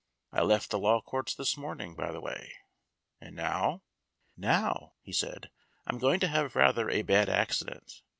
I left the Law Courts this morning, by the way." "And now?" "Now," he said, "I am going to have rather a bad accident.